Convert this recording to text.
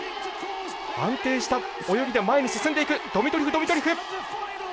安定した泳ぎで前に進んでいくドミトリフドミトリフ。